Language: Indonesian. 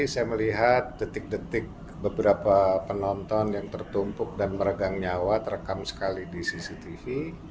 saya melihat detik detik beberapa penonton yang tertumpuk dan meregang nyawa terekam sekali di cctv